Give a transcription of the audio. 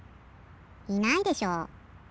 いないでしょ。